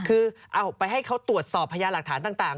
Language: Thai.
คือเอาไปให้เขาตรวจสอบพยานหลักฐานต่าง